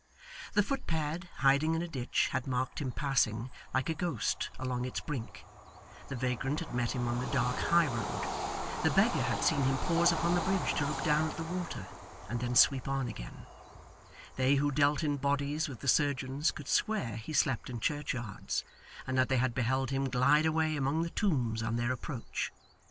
The footpad hiding in a ditch had marked him passing like a ghost along its brink; the vagrant had met him on the dark high road; the beggar had seen him pause upon the bridge to look down at the water, and then sweep on again; they who dealt in bodies with the surgeons could swear he slept in churchyards, and that they had beheld him glide away among the tombs on their approach.